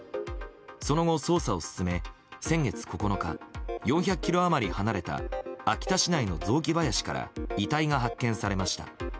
その後、捜査を進め先月９日４００ｋｍ余り離れた秋田市内の雑木林から遺体が発見されました。